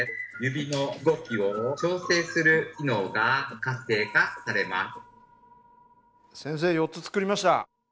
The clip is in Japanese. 先生４つ作りました。